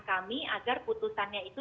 kami agar putusannya itu